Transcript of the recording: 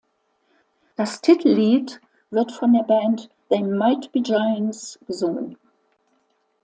Das Titellied wird von der Band They Might Be Giants gesungen.